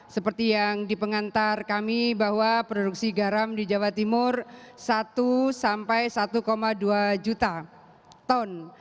seperti yang di pengantar kami bahwa produksi garam di jawa timur satu sampai satu dua juta ton